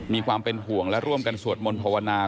มีความเป็นห่วงและร่วมกันสวดมนต์ภาวนา